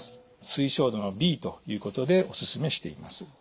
推奨度Ｂということでお勧めしています。